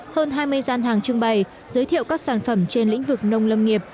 hơn hai mươi gian hàng trưng bày giới thiệu các sản phẩm trên lĩnh vực nông lâm nghiệp